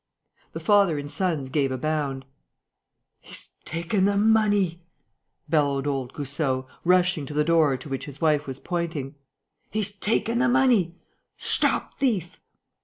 The father and sons gave a bound: "He's taken the money!" bellowed old Goussot, rushing to the door to which his wife was pointing. "He's taken the money! Stop thief!"